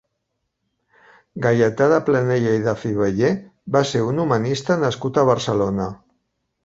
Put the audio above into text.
Gaietà de Planella i de Fiveller va ser un humanista nascut a Barcelona.